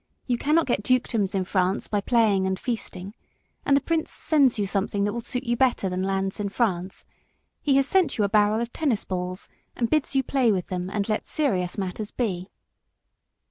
You cannot get dukedoms in France by playing and feasting, and the prince sends you something that will suit you better than lands in France. He has sent you a barrel of tennis balls, and bids you play with them and let serious matters be."